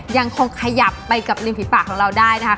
ยังคงขยับไปกับริมฝีปากของเราได้นะคะ